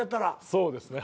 そうですねはい。